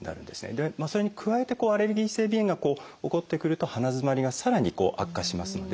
それに加えてアレルギー性鼻炎が起こってくると鼻づまりがさらに悪化しますので。